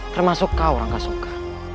termasuk kau orang kasurka